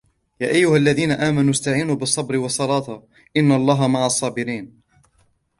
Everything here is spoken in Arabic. يا أيها الذين آمنوا استعينوا بالصبر والصلاة إن الله مع الصابرين